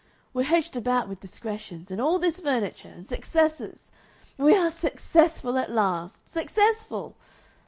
We're hedged about with discretions and all this furniture and successes! We are successful at last! Successful!